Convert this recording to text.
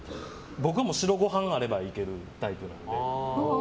僕は白ご飯あればいけるタイプなので。